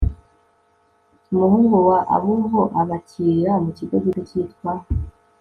umuhungu wa abubo abakirira mu kigo gito cyitwa